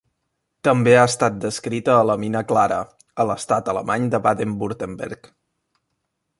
També ha estat descrita a la mina Clara, a l'estat alemany de Baden-Württemberg.